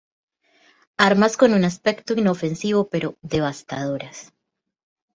Armas con un aspecto inofensivo pero devastadoras.